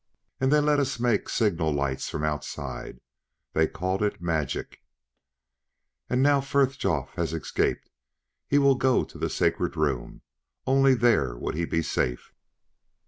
And they let us make signal lights from outside ... they called it magic. "And now Frithjof has escaped ... he will go to the sacred room ... only there would he be safe...."